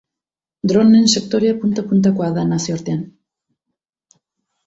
Droneen sektorea punta-puntakoa da nazioartean.